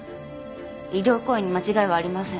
医療行為に間違いはありません。